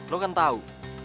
lo kan tau